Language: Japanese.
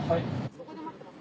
そこで待ってます。